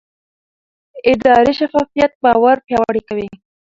اداري شفافیت باور پیاوړی کوي